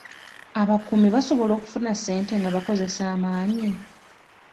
Abakuumi basobola okufuna ssente nga bakozesa amaanyi?